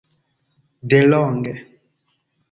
delonge